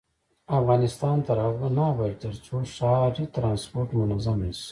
افغانستان تر هغو نه ابادیږي، ترڅو ښاري ترانسپورت منظم نشي.